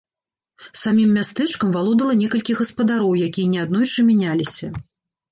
Самім мястэчкам валодала некалькі гаспадароў, якія неаднойчы мяняліся.